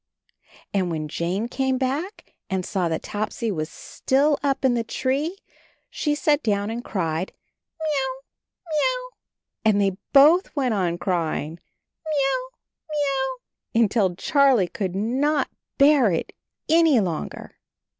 And when Jane came back and saw that Topsy was still up in the tree, she sat down and cried "M i a o u, m i a o u !" And they both went on crying, "M i a o u, m i a o u" until Charlie could not bear it any longer.